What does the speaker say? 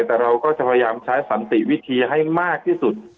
แต่เราก็จะพยายามใช้สันติวิธีให้มากที่สุด